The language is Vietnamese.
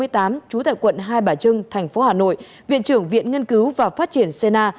trú tại quận hai bà trưng thành phố hà nội viện trưởng viện nghiên cứu và phát triển cna